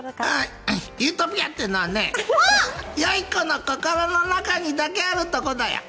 ユートピアってのはねよい子の心の中にだけあるとこだよ。